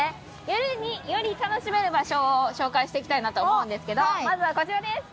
夜により楽しめる場所を紹介したいなと思うんですけどまずは、こちらです。